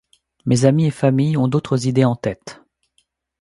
Mais amis et famille ont d'autres idées en tête...